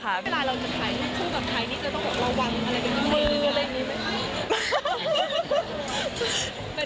เวลาเราจะถ่ายชื่อสำคัญนี่จะต้องบอกว่าวางอะไรเป็นมือ